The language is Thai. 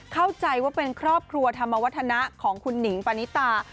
เข้าใจว่าเป็นครอบครัวธรรมวัฒนะของคุณหนิงปานิตา